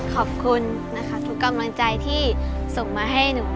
ขอบคุณนะคะทุกกำลังใจที่ส่งมาให้หนู